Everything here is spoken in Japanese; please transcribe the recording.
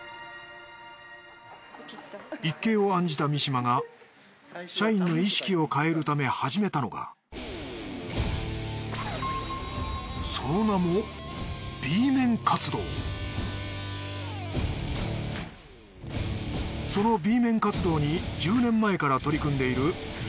一計を案じた三島が社員の意識を変えるため始めたのがその名もそのＢ面活動に１０年前から取り組んでいる三浦。